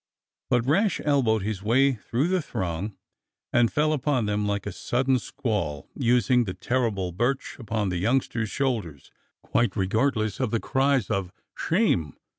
But Rash elbowed his way through the throng and fell upon them like a sudden squall, using the terrible birch upon the youngsters' shoulders, quite regardless of the cries of "Shame!"